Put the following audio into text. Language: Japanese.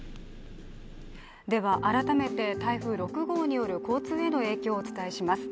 では改めて台風６号による交通への影響をお伝えします。